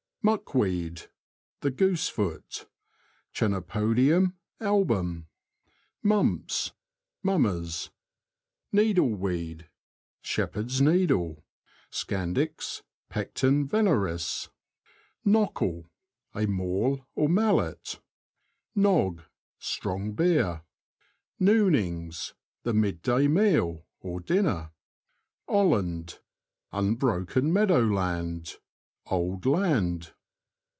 Muck weed. — The goose foot {Chenopodium album.) Mumps. — Mummers. Needle weed. — Shepherd's needle {Scandix pecten Veneris) . NOCKLE. — A maul or mallet. NoGG. — Strong beer. Noonings. — The mid day meal, dinner. Olland. — Unbroken meadow land, "old land."